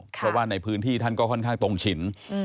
เพราะว่าในพื้นที่ท่านก็ค่อนข้างตรงฉิน